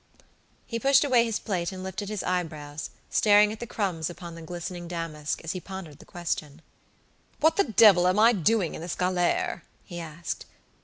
He pushed away his plate and lifted his eyebrows, staring at the crumbs upon the glistening damask, as he pondered the question. "What the devil am I doing in this galere?" he asked.